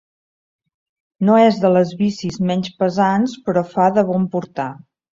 No és de les bicis menys pesants, però fa de bon portar.